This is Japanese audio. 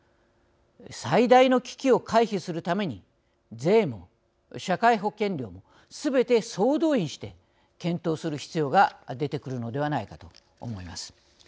最大の危機を回避するために税も社会保険料もすべて総動員して検討する必要が出てくるのではないかと思います。